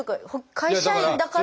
会社員だから。